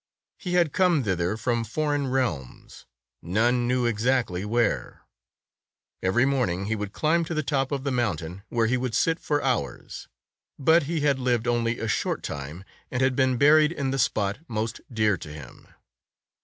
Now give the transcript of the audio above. He had come thither from foreign realms, none knew exactly where. Every morning he would climb to the top of the mountain, where he would sit for hours. But he had lived only a short time, and had been buried in the spot most dear to him.